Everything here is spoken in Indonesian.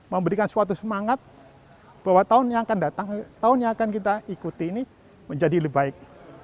memberikan suatu semangat bahwa tahun yang akan datang tahun yang akan kita ikuti ini menjadi lebih baik